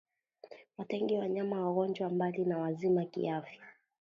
Watenge wanyama wagonjwa mbali na wazima kiafya